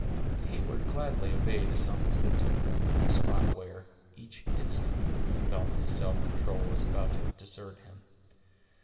Heyward gladly obeyed a summons that took them from a spot where, each instant, he felt his self control was about to desert him.